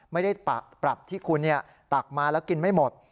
ไม่ได้ปรับที่คุณตักมาแล้วกินไม่หมด